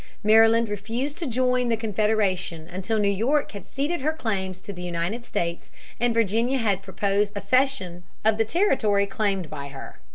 Maryland refused to join the Confederation until New York had ceded her claims to the United States, and Virginia had proposed a cession of the territory claimed by her.